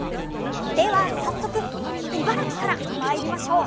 では早速茨城から参りましょう。